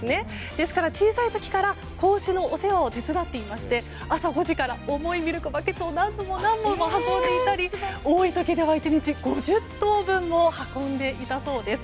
ですから、小さい時から子牛のお世話を手伝っていまして朝５時から重いミルクバケツを何本も運んでいたり多い時では１日５０頭分も運んでいたそうです。